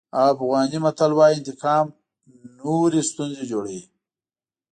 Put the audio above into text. افغاني متل وایي انتقام نورې ستونزې جوړوي.